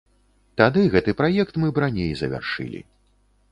Тады гэты праект мы б раней завяршылі.